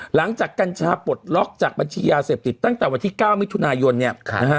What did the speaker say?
กัญชาปลดล็อกจากบัญชียาเสพติดตั้งแต่วันที่๙มิถุนายนเนี่ยนะฮะ